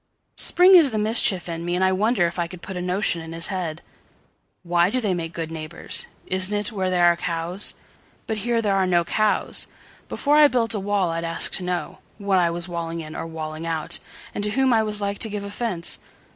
Spring is the mischief in me, and I wonderIf I could put a notion in his head:"Why do they make good neighbours? Isn't itWhere there are cows? But here there are no cows. Before I built a wall I'd ask to knowWhat I was walling in or walling out, And to whom I was like to give offence.